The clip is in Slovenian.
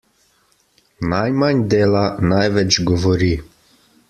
Najmanj dela, največ govori.